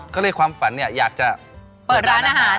ก็เลยความฝันอยากจะเปิดร้านอาหาร